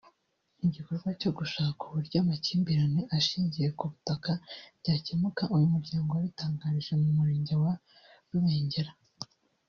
Igikorwa cyo gushaka uburyo amakimbirane ashingiye ku butaka byakemuka uyu muryango wabitangirije mu murenge wa Rubengera